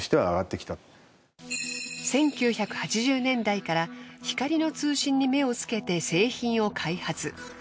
１９８０年代から光の通信に目をつけて製品を開発。